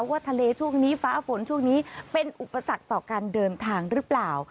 ว่าทะเลช่วงนี้ฟ้าฝนช่วงนี้เป็นอุปสรรคต่อการเดินทางหรือเปล่า